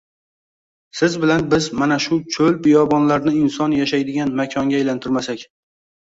Siz bilan biz mana shu cho‘l-biyobonlarni inson yashaydigan makonga aylantirmasak...